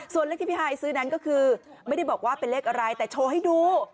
ส่วนเลขที่พี่ฮายซื้อนั้นก็คือไม่ได้บอกว่าเป็นเลขอะไรแต่โชว์ให้ดู